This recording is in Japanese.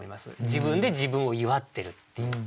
自分で自分を祝ってるっていう。